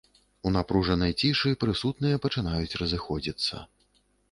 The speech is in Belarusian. У напружанай цішы прысутныя пачынаюць разыходзіцца.